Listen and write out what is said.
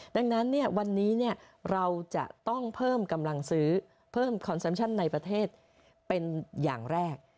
ดังนั้นวันนี้เราจะต้องเพิ่มกำลังซื้อเพิ่มคอนเซมชั่นในประเทศเป็นอย่างแรก